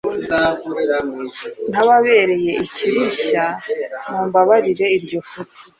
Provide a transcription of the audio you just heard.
ntababereye ikirushya: mumbabarire iryo futi.